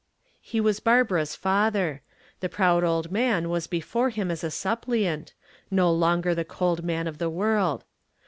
He was Barbara's father. The proud old man was before him as a suppliant, no longer the cold man of the world.